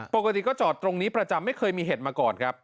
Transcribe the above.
ปกติก็จอดตรงนี้ประจำไม่เคยมีเหตุมาก่อนครับ